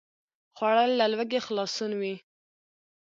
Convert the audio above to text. خوړل له لوږې خلاصون وي